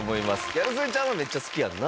ギャル曽根ちゃんはめっちゃ好きやんな。